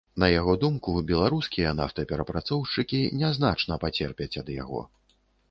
На яго думку, беларускія нафтаперапрацоўшчыкі не значна пацерпяць ад яго.